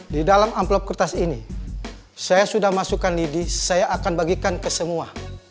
di dalam amplop kertas ini saya sudah masukkan lidi saya akan bagikan ke semua